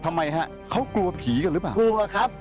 ทำไมฮะควรกลัวผีกันหรือเปล่า